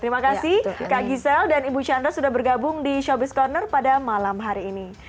terima kasih kak gisela dan ibu chandra sudah bergabung di showbiz corner pada malam hari ini